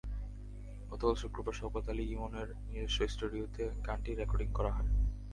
গতকাল শুক্রবার শওকত আলী ইমনের নিজস্ব স্টুডিওতে গানটির রেকর্ডিং করা হয়।